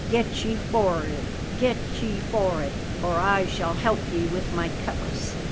Get ye for'ad, get ye for'ad, or I shall help ye with my cutlass!"